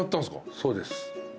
そうです。